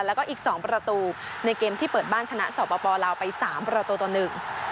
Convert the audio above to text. แล้วก็อีกสองประตูในเกมที่เปิดบ้านชนะสปลาวไปสามประตูต่อหนึ่ง